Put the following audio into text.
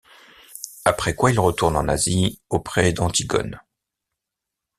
Après quoi il retourne en Asie auprès d’Antigone.